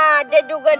ku tumpangku sekarang